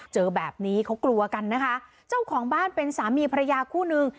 เจอแบบนี้เขากลัวกันนะคะเจ้าของบ้านเป็นสามีภรรยาคู่นึง